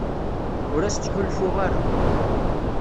Ur as-ttḥulfuɣ ara.